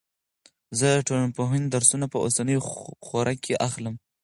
زه د ټولنپوهنې درسونه په اوسنۍ خوره کې اخلم.